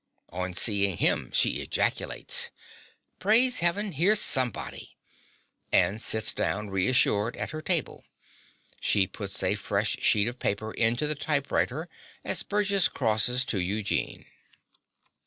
On seeing him, she ejaculates) Praise heaven, here's somebody! (and sits down, reassured, at her table. She puts a fresh sheet of paper into the typewriter as Burgess crosses to Eugene.)